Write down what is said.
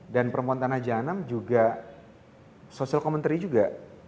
dan permontana jahanam juga social commentary juga